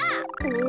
お！